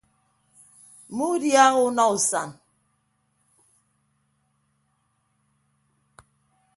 Mmuudiaha unọ usan.